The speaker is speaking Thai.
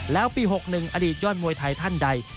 แล้วปี๖๑อดีตยอดมวยไทยท่านใด